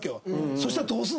そうしたらどうするの？